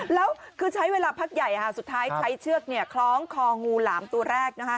แล้วคือใช้เวลาพักใหญ่สุดท้ายใช้เชือกคล้องคองูหลามตัวแรก